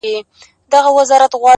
دلته اوسم”